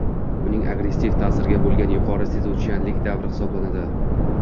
uning agressiv taʼsirga bo‘lgan yuqori sezuvchanlik davri hisoblanadi.